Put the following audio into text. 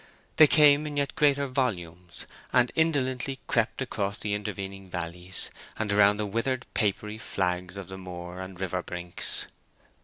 They came in yet greater volumes, and indolently crept across the intervening valleys, and around the withered papery flags of the moor and river brinks.